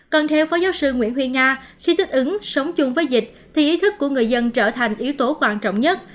còn theo phó giáo sư nguyễn huy nga khi thích ứng sống chung với dịch thì ý thức của người dân trở thành yếu tố quan trọng nhất